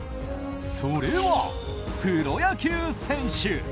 それはプロ野球選手。